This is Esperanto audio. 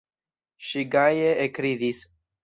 Ŝi gaje ekridis.